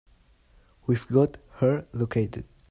We've got her located.